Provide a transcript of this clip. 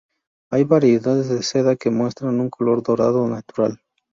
Hay variedades de seda que muestran un color dorado natural.